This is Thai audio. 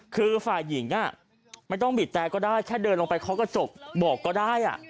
คือฝ่ายหญิงไม่ต้องบีบแต่ก็ได้แค่เดินลงไปเคาะกระจกบอกก็ได้